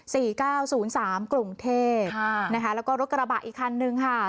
เก้าศูนย์สามกรุงเทพค่ะนะคะแล้วก็รถกระบะอีกคันนึงค่ะ